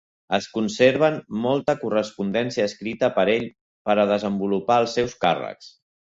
Es conserven molta correspondència escrita per ell per desenvolupar els seus càrrecs.